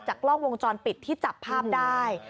กล้องวงจรปิดที่จับภาพได้